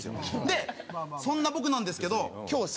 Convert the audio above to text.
でそんな僕なんですけど。